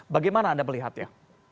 bagaimana anda melihatnya